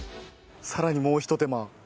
さらにもう一手間。